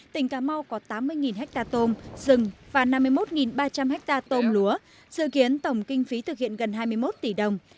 tỉnh cà mau có tám mươi ha tôm rừng và năm mươi một ba trăm linh ha tôm lúa dự kiến tổng kinh phí thực hiện gần hai mươi một tỷ đồng